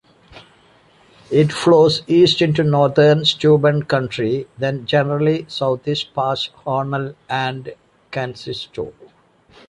It flows east into northern Steuben County, then generally southeast past Hornell and Canisteo.